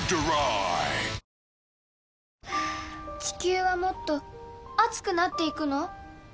地球はもっと熱くなっていくの？